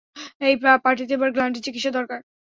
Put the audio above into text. এই পার্টিতে এবার গ্ল্যান্ডের চিকিৎসা দরকার।